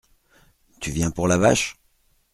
Tu viens pour la vache ?